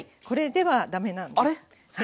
これではダメなんです。